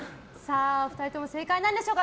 ２人とも正解なんでしょうか。